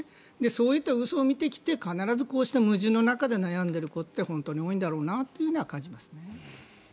そういった嘘を見てきて必ずこうした矛盾の中で悩んでいる子って本当に多いんだろうなと感じますね。